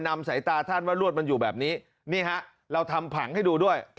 สายตาท่านว่ารวดมันอยู่แบบนี้นี่ฮะเราทำผังให้ดูด้วย